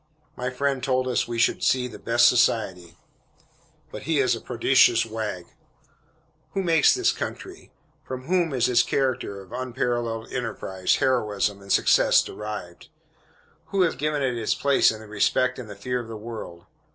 My friend told us we should see the "best society." But he is a prodigious wag. Who make this country? From whom is its character of unparalleled enterprise, heroism, and success derived? Who have given it its place in the respect and the fear of the world?